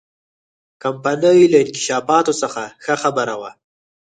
کمپنۍ له انکشافاتو څخه ښه خبره وه.